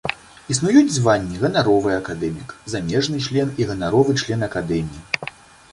Існуюць званні ганаровы акадэмік, замежны член і ганаровы член акадэміі.